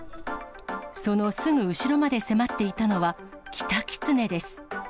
そのすぐ後ろまで迫っていたのは、キタキツネです。